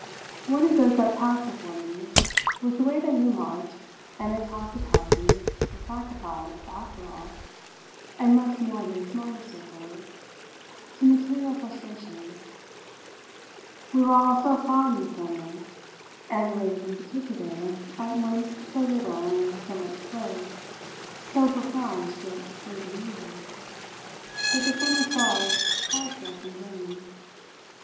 One of those that passed before me was the way that Newmarch and its hospitalities were sacrificed, after all, and much more than smaller circles, to material frustrations. We were all so fine and formal, and the ladies in particular at once so little and so much clothed, so beflounced yet so denuded, that the summer stars called to us in vain.